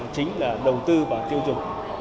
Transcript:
chính là đầu tư và tiêu dùng